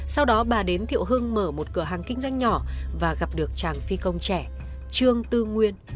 sau đó bà đến thiệu hưng mở một cửa hàng kinh doanh nhỏ và gặp được chàng phi công trẻ trương tư nguyên